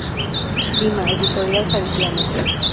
Lima: Editorial Salesiana.